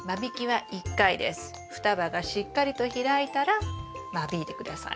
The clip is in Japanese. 双葉がしっかりと開いたら間引いて下さい。